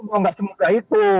mau tidak semoga itu